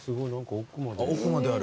奥まである。